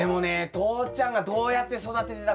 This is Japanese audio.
父ちゃんがどうやって育ててたかさ